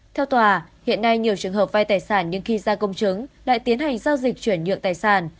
theo tòa hiện nay nhiều trường hợp vai tài sản nhưng khi ra công chứng lại tiến hành giao dịch chuyển nhượng tài sản